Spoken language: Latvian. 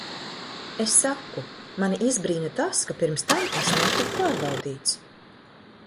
Es saku, mani izbrīna tas, ka pirms tam es netiku pārbaudīts.